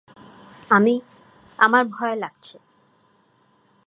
আমি - আমার ভয় লাগছে।